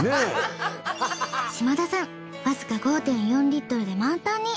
島田さんわずか５．４リットルで満タンに。